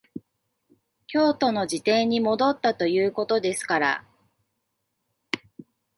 京都の自邸に戻ったということですから、